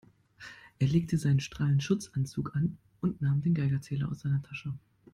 Er legte seinen Strahlenschutzanzug an und nahm den Geigerzähler aus seiner Tasche.